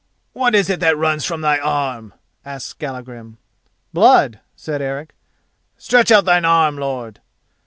"What is it that runs from thy arm," asked Skallagrim. "Blood," said Eric. "Stretch out thine arm, lord."